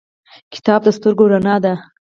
کتاب د سترګو رڼا ده